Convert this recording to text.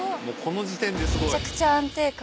もうこの時点ですごい。